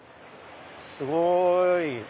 すごい！